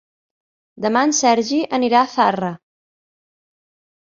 Demà en Sergi anirà a Zarra.